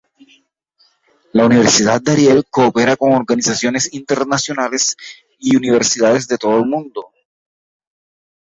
La Universidad de Ariel coopera con organizaciones internacionales y universidades de todo el mundo.